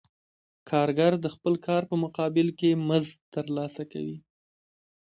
کارګر د خپل کار په مقابل کې مزد ترلاسه کوي